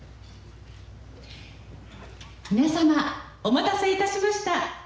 皆さま、お待たせいたしました。